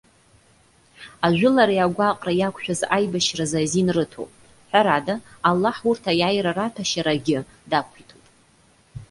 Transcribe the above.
Ажәылареи агәаҟреи иақәшәаз аибашьразы азин рыҭоуп. Ҳәарада, Аллаҳ урҭ аиааира раҭәашьарагьы дақәиҭуп.